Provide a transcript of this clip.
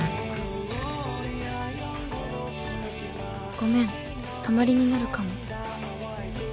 「ごめん、泊まりになるかも」。